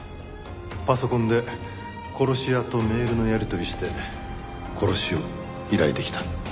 パソコンで殺し屋とメールのやり取りして殺しを依頼できた。